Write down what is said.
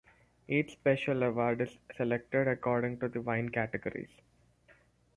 Each special award is selected according to wine categories.